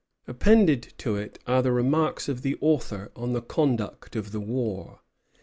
G. Drake.] Appended to it are the remarks of the author on the conduct of the war.